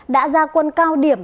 đã ra quân cao điểm